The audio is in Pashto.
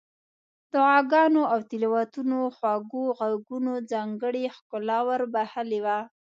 دعاګانو او تلاوتونو خوږو غږونو ځانګړې ښکلا ور بخښلې وه.